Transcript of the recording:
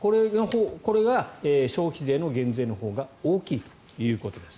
これが消費税の減税のほうが大きいということです。